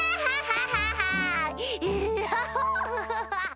ハハハハ！